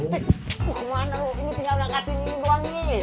tis lu kemana lu ini tinggal ngangkatin ini doang nih